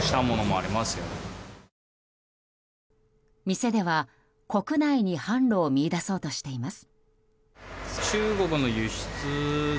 店では、国内に販路を見出そうとしています。